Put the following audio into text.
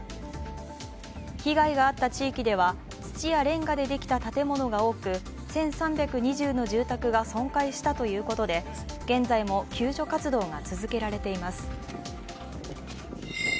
被害があった地域では土やれんがでできた建物が多く、１３２０の住宅が損壊したということで現在も救助活動が続けられています。